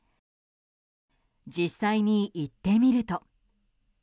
実際に行ってみると。